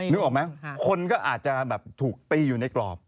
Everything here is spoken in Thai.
นึกออกไหมคนก็อาจจะแบบถูกตีอยู่ในกรอบ